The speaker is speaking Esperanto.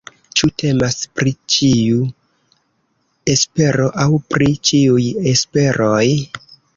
Ĉu temas pri ĉiu espero aŭ pri ĉiuj esperoj?